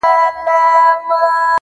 • قومندان سره خبري کوي او څه پوښتني کوي,